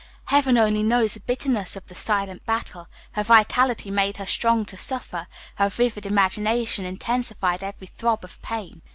Heaven only knows the bitterness of the silent battle. Her vitality made her strong to suffer; her vivid imagination intensified every throb of pain.